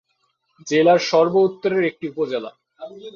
জেলার সর্ব উত্তরের একটি উপজেলা।